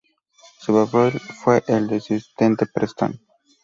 Su papel fue el del asistente Preston.